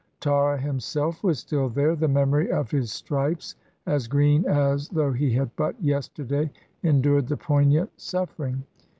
Tarra himself was still there, the memory of his stripes as green as though he had but yesterday endured the poignant suf fering.